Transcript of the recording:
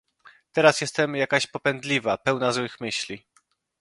"Teraz jestem jakaś popędliwa, pełna złych myśli."